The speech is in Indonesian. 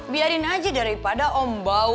biarin aja daripada om bau